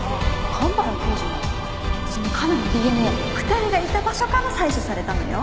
その亀のＤＮＡ２人がいた場所から採取されたのよ。